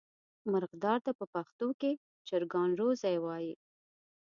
مرغدار ته په پښتو کې چرګان روزی وایي.